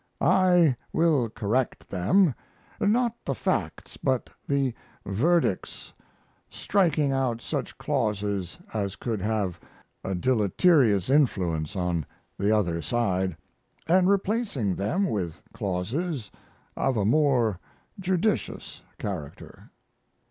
I will correct them not the facts, but the verdicts striking out such clauses as could have a deleterious influence on the other side, and replacing them with clauses of a more judicious character.